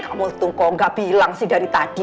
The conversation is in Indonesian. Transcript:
kamu tuh kok gak bilang sih dari tadi